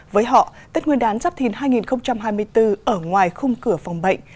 với họ tết nguyên đán giáp thìn hai nghìn hai mươi bốn ở ngoài khung cửa phòng bệnh